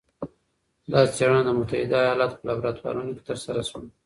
دا څېړنه د متحده ایالتونو په لابراتورونو کې ترسره شوه.